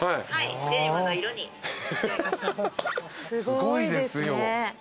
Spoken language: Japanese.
すごいですね。